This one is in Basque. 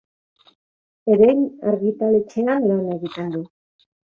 Erein argitaletxean lan egiten du.